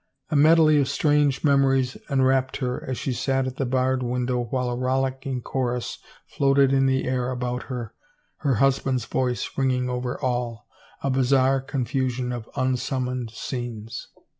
A medley of strange memories enwrapped her as she 376 THE NUMBERED HOURS sat at the barred window while a rollicking chorus floated in the air about her, her husband's voice ringing over all — a bizarre confusion of unsummoned scenes.